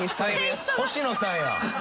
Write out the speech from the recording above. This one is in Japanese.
星野さんや。